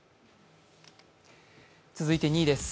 続いて２位です。